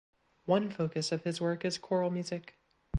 One focus of his work is choral music.